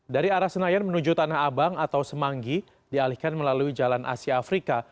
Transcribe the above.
dari arah senayan menuju tanah abang atau semanggi dialihkan melalui jalan asia afrika